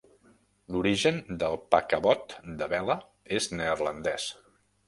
L'origen del paquebot de vela és neerlandès.